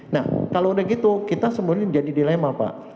nah kalau sudah begitu kita sembunyi jadi dilema pak